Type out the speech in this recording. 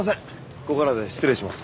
ここらで失礼します。